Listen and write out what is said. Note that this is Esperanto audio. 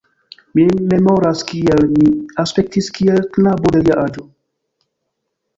Mi memoras, kiel mi aspektis kiel knabo de lia aĝo.